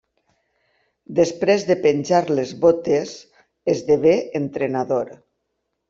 Després de penjar les botes, esdevé entrenador.